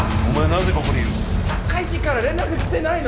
なぜここにいる大使から連絡きてないの？